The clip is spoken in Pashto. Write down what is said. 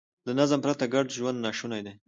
له نظم پرته ګډ ژوند ناشونی دی.